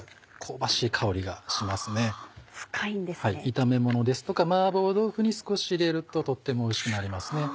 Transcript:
炒めものですとか麻婆豆腐に少し入れるととってもおいしくなりますね。